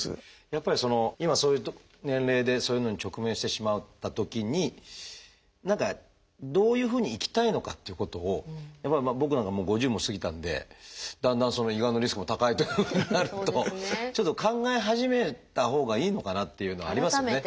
やっぱりそういう年齢でそういうのに直面してしまったときに何かどういうふうに生きたいのかっていうことをやっぱり僕なんかはもう５０も過ぎたんでだんだん胃がんのリスクも高いというふうになるとちょっと考え始めたほうがいいのかなっていうのはありますよね。